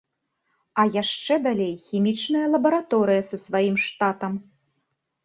А яшчэ далей хімічная лабараторыя са сваім штатам.